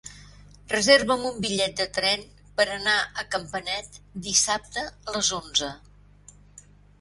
Reserva'm un bitllet de tren per anar a Campanet dissabte a les onze.